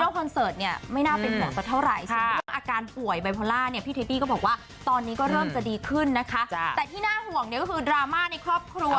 ก็เป็นคอนเสิร์ทไม่น่าเป็นเหมือนกันเท่าไหร่